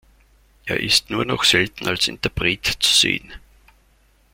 Er ist nur noch selten als Interpret zu sehen.